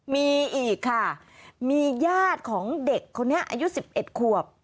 มีอีกค่ะมีญาติของเด็กคนนี้อายุ๑๑ขวบ